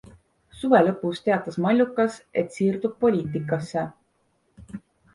Suve lõpus teatas Mallukas, et siirdub poliitikasse!